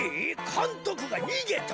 かんとくがにげた？